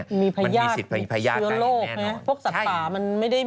มันมีสิทธิ์พยาดใกล้แน่นอน